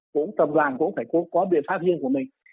cũng tập đoàn cũng phải có biện pháp riêng của mình